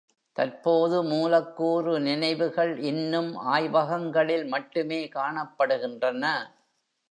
தற்போது, மூலக்கூறு நினைவுகள் இன்னும் ஆய்வகங்களில் மட்டுமே காணப்படுகின்றன.